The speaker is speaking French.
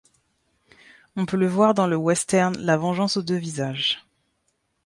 On peut le voir dans le western La vengeance aux deux visages.